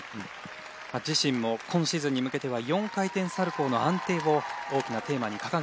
自身も今シーズンに向けては４回転サルコーの安定を大きなテーマに掲げていました。